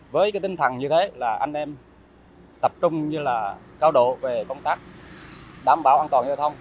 với cái tinh thần như thế là anh em tập trung như là cao độ về công tác đảm bảo an toàn giao thông